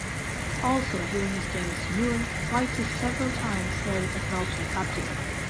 Also during his Devils tenure, White has several times served as an alternate captain.